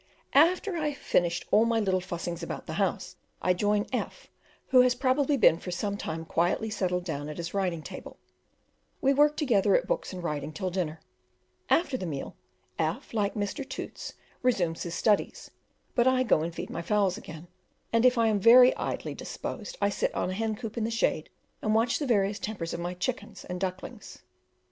After I have finished all my little fussings about the house, I join F who has probably been for some time quietly settled down at his writing table, and we work together at books and writing till dinner; after that meal, F like Mr. Tootes, "resumes his studies," but I go and feed my fowls again, and if I am very idly disposed I sit on a hencoop in the shade and watch the various tempers of my chickens and ducklings.